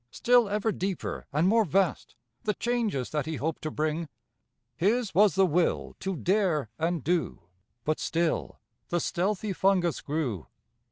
Still ever deeper and more vast, The changes that he hoped to bring. His was the will to dare and do; But still the stealthy fungus grew.